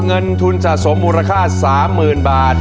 เงินทุนสะสมมูลค่า๓๐๐๐บาท